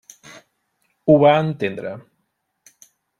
Ho va entendre.